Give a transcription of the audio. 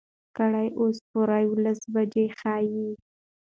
ګړۍ اوس پوره يولس بجې ښيي.